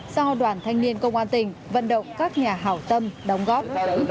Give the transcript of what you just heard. do đoàn thanh niên công an tỉnh vận động các nhà hảo tâm đóng góp